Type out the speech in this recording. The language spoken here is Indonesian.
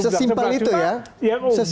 sesimpel itu ya